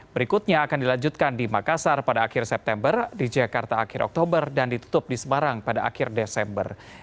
berikutnya akan dilanjutkan di makassar pada akhir september di jakarta akhir oktober dan ditutup di semarang pada akhir desember